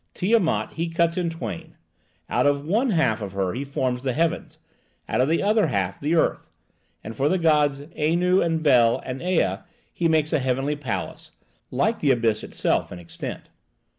Tiamat he cuts in twain. Out of one half of her he forms the heavens, out of the other half the earth, and for the gods Anu and Bel and Ea he makes a heavenly palace, like the abyss itself in extent.